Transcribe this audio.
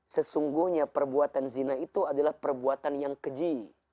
sesungguhnya perbuatan zina itu adalah perbuatan yang keji